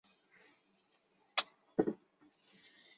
从河南省会郑州市到嵖岈山不过一百八十公里。